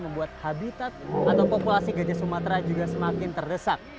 membuat habitat atau populasi gajah sumatera juga semakin terdesak